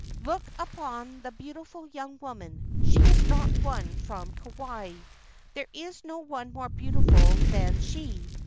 Look upon the beautiful young woman. She is not one from Kauai. There is no one more beautiful than she.